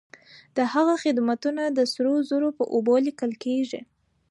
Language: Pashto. د هغه خدمتونه د سرو زرو په اوبو ليکل کيږي.